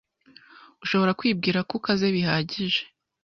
Ushobora kwibwira ko ukazi bihagije